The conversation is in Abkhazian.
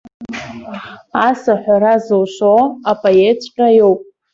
Ас аҳәара зылшо апоетҵәҟьа иоуп.